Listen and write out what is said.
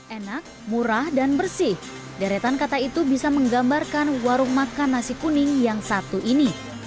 enak murah dan bersih deretan kata itu bisa menggambarkan warung makan nasi kuning yang satu ini